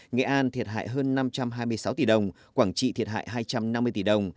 nghệ an thiệt hại hơn năm trăm hai mươi sáu tỷ đồng quảng trị thiệt hại hai trăm năm mươi tỷ đồng